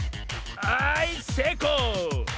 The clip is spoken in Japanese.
はいせいこう！